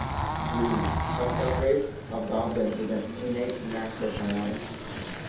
Blue: A subrace of goblins with an innate knack for psionics.